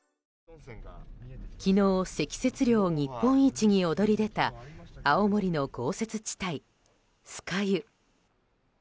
昨日、積雪量日本一に躍り出た青森の豪雪地帯、酸ヶ湯。